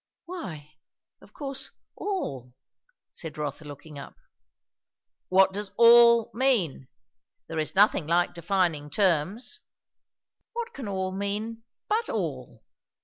"Why of course all," said Rotha looking up. "What does 'all' mean? There is nothing like defining terms." "What can 'all' mean but all?"